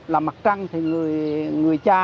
là mặt trăng thì người cha